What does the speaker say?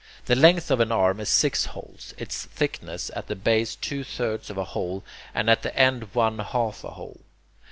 The length of an arm is six holes, its thickness at the base two thirds of a hole, and at the end one half a hole.